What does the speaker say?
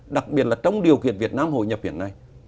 đặc biệt là trong điều kiện việt nam hội nhập viện này